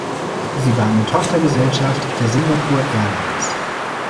Sie war eine Tochtergesellschaft der Singapore Airlines.